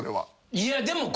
いやでも。